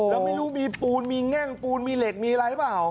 แล้วไม่รู้มีปูนมีแง่งปูนมีเหล็กมีอะไรเปล่า